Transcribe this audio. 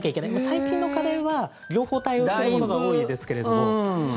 最近の家電は両方対応してるものが多いですけれども。